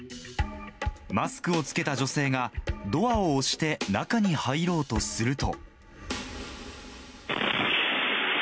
マスクを着けた女性がドアを押して中に入ろうとすると。